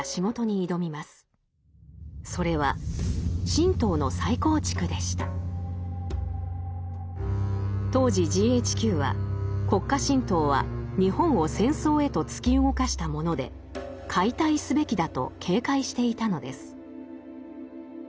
それは当時ＧＨＱは国家神道は日本を戦争へと突き動かしたもので解体すべきだと警戒していたのです。